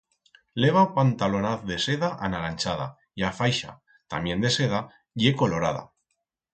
Leva o pantalonaz de seda anaranchada, y a faixa, tamién de seda, ye colorada.